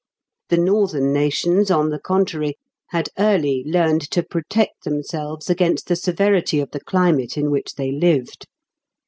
The northern nations, on the contrary, had early learned to protect themselves against the severity of the climate in which they lived.